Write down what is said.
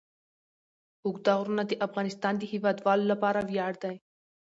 اوږده غرونه د افغانستان د هیوادوالو لپاره ویاړ دی.